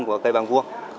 của cây bằng vuông